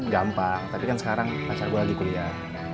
gampang tapi kan sekarang pacar gue lagi kuliah